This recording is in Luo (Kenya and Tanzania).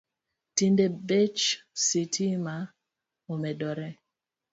Tinde bech sitima omedore